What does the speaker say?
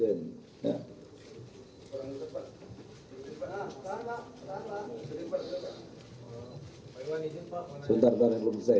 sebentar sebentar belum selesai